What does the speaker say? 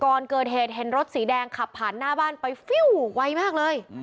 ก่อนเกิดเหตุเห็นรถสีแดงขับผ่านหน้าบ้านไปฟิวไวมากเลย